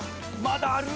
まだある！